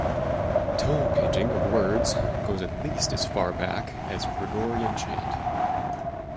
Tone painting of words goes at least as far back as Gregorian chant.